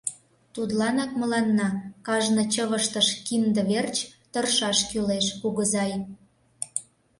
Тудланак мыланна кажне чывыштыш кинде верч тыршаш кӱлеш, кугызай!